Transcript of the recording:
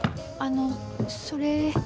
あのそれ。